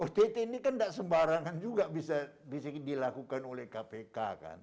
ott ini kan tidak sembarangan juga bisa dilakukan oleh kpk kan